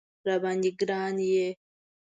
راباندې ګران یې